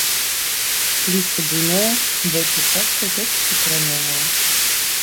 Лісце буйное, большай часткай толькі прыкаранёвае.